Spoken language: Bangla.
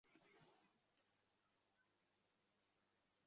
দুই বছরের ব্যবধানে সেই আমির এখন মা-বাবার শরীরে হাত তুলতে দ্বিধা করছেন না।